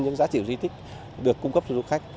những giá trị của di tích được cung cấp cho du khách